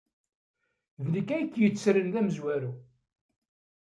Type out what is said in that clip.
D nekk ay k-yettren d amezwaru.